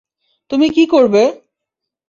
তুমি কি করবে?